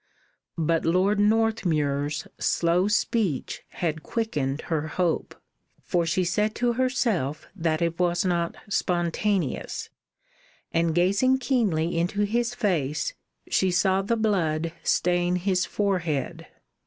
But Lord Northmuir's slow speech had quickened her hope, for she said to herself that it was not spontaneous; and gazing keenly into his face, she saw the blood stain his forehead.